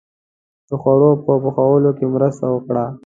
• د خوړو په پخولو کې مرسته وکړه.